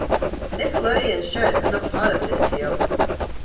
Nickelodeon's shows are not part of this deal.